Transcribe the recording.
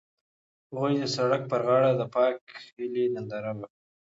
هغوی د سړک پر غاړه د پاک هیلې ننداره وکړه.